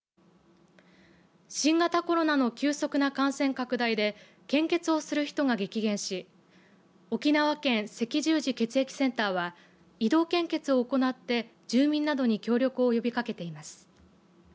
新型コロナの急速な感染拡大で献血をする人が激減し沖縄県赤十字血液センターは移動献血を行って住民などに協力を呼びかけています。